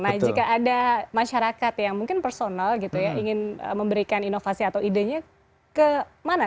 nah jika ada masyarakat yang mungkin personal gitu ya ingin memberikan inovasi atau idenya kemana